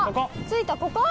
着いたここ？